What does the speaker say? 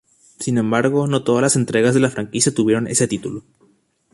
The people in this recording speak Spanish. Sin embargo, no todas las entregas de la franquicia tuvieron ese título.